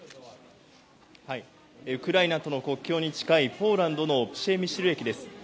ウクライナとの国境に近いポーランドのプシェミシル駅です。